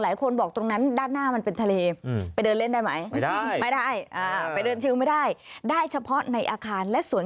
หลายคนบอกตรงนั้นด้านหน้ามันเป็นทะเล